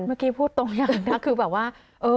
เมื่อกี้พูดตรงอย่างหนึ่งนะคือแบบว่า